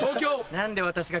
何で私が。